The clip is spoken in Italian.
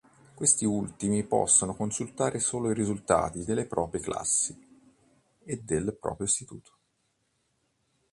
Questi ultimi possono consultare solo i risultati delle proprie classi e del proprio istituto.